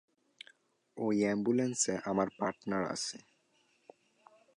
ওই অ্যাম্বুলেন্সে আমার পার্টনার আছে।